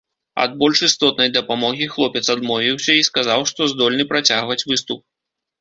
Ад больш істотнай дапамогі хлопец адмовіўся і сказаў, што здольны працягваць выступ.